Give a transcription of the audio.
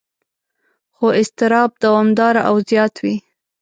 خو اضطراب دوامداره او زیات وي.